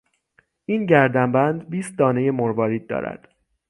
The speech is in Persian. این گردنبند بیست دانهی مروارید دارد.